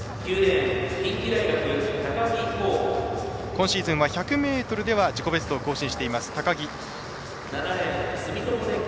今シーズン、１００ｍでは自己ベストを更新しています高木。